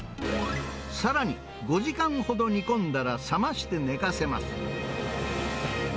さらに５時間ほど煮込んだら冷まして寝かせます。